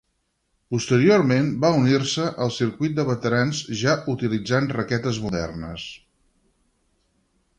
Posteriorment va unir-se al circuit de veterans ja utilitzant raquetes modernes.